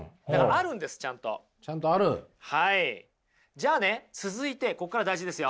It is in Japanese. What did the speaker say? じゃあね続いてここから大事ですよ。